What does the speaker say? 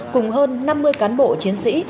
cùng hơn năm mươi cán bộ chiến sĩ